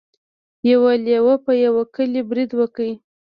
یو لیوه په یوه کلي برید وکړ.